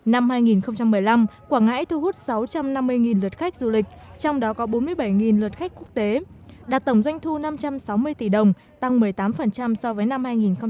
năm hai nghìn một mươi năm quảng ngãi thu hút sáu trăm năm mươi lượt khách du lịch trong đó có bốn mươi bảy lượt khách quốc tế đạt tổng doanh thu năm trăm sáu mươi tỷ đồng tăng một mươi tám so với năm hai nghìn một mươi bảy